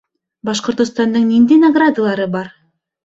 Башҡортостандың ниндәй наградалары бар?